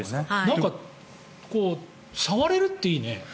なんか触れるっていいね。